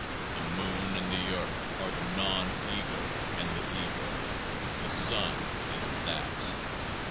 The moon and the earth are the non ego and the ego : the Sun is THAT.